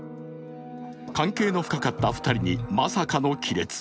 関係の深かった２人にまさかの亀裂。